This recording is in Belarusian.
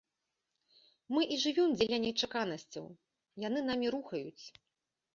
Мы і жывём дзеля нечаканасцяў, яны намі рухаюць.